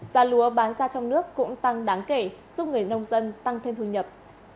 giá lúa bán ra trong nước cũng tăng đáng kể giúp người nông dân tăng thêm thu nhập